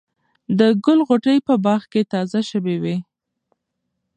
د ګل غوټۍ په باغ کې تازه شوې وې.